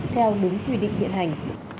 theo đúng quy định hiện hành